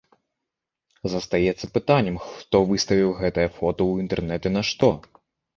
Застаецца пытаннем, хто выставіў гэтае фота ў інтэрнэт і нашто.